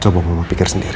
coba mama pikir sendiri